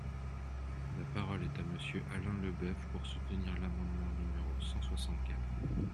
La parole est à Monsieur Alain Leboeuf, pour soutenir l’amendement numéro cent soixante-quatre.